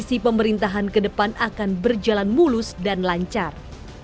posisi pemerintahan ke depan akan berjalan mulus dan lancar